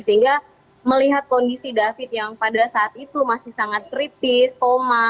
sehingga melihat kondisi david yang pada saat itu masih sangat kritis koma